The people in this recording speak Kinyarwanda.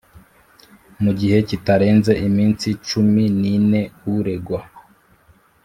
Mu gihe kitarenze iminsi cumi n ine uregwa